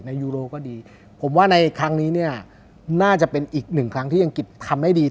ยูโรก็ดีผมว่าในครั้งนี้เนี่ยน่าจะเป็นอีกหนึ่งครั้งที่อังกฤษทำได้ดี